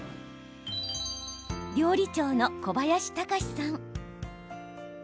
料理長の小林幹さん。